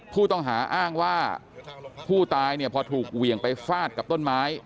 ผู้ต้องหาอ้างว่าผู้ตายเนี่ยพอถูกเหวี่ยงไปฟาดกับต้นไม้